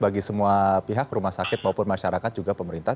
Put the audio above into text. bagi semua pihak rumah sakit maupun masyarakat juga pemerintah